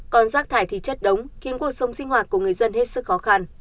còn rác thải thì chất đống khiến cuộc sống sinh hoạt của người dân hết sức khó khăn